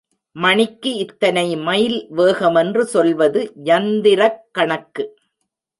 மணிக்கு இத்தனை மைல் வேகமென்று சொல்வது யந்திரக் கணக்கு.